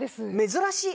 珍しい！